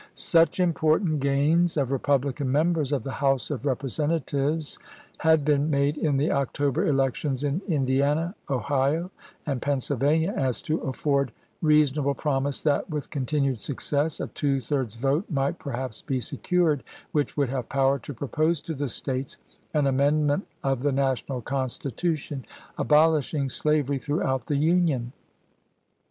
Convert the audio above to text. Such important gains of Republican members of the House of Repre sentatives had been made in the October elections in Indiana, Ohio, and Pennsylvania as to afford rea sonable promise that, with continued success, a two thirds vote might perhaps be secured which would have power to propose to the States an amendment of the national Constitution, abolishing slavery throughout the Union.